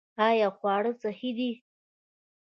آیا خواړه صحي دي؟